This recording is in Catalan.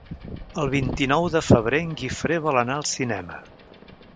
El vint-i-nou de febrer en Guifré vol anar al cinema.